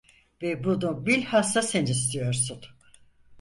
Ve bunu bilhassa sen istiyorsun!